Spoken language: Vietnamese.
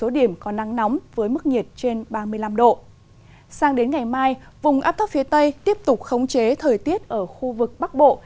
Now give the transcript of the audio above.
sang đến ngày mai vùng áp thấp phía tây tiếp tục khống chế thời tiết ở khu vực bắc bộ